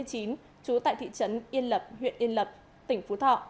trú tại thị trấn yên lập huyện yên lập tỉnh phú thọ